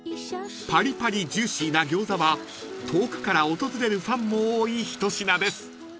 ［パリパリジューシーな餃子は遠くから訪れるファンも多い一品です］